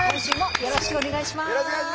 よろしくお願いします。